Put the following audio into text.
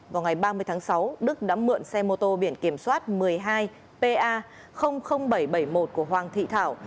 sau đó đức đám mượn xe mô tô biển kiểm soát một mươi hai pa bảy trăm bảy mươi một của hoàng thị thảo